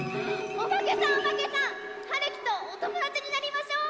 おばけさんおばけさん！はるきとおともだちになりましょう！